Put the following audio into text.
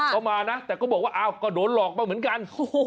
เค้ามานะแต่เค้าบอกว่าก็โดนหลอกมาเหมือนกัน